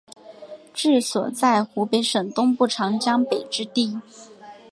治所在湖北省东部长江北之地。